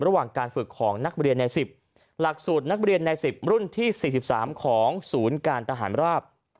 ระหว่างการฝึกของนักเรียนใน๑๐หลักสูตรนักเรียนใน๑๐รุ่นที่๔๓ของศูนย์การทหารราบ